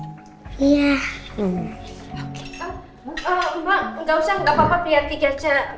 mbak gak usah gak apa apa pria tiga c